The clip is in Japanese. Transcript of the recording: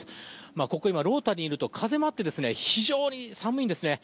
ここ、ロータリーにいると風もあって、非常に寒いんですね。